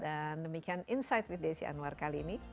dan demikian insight with desy anwar kali ini